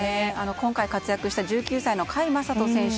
今回、活躍した１９歳の甲斐優斗選手。